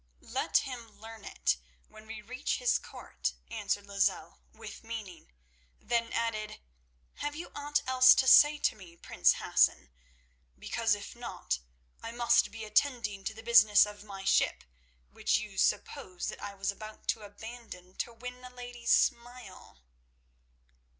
"Let him learn it—when we reach his court," answered Lozelle, with meaning; then added, "Have you aught else to say to me, prince Hassan? Because if not, I must be attending to the business of my ship, which you suppose that I was about to abandon to win a lady's smile."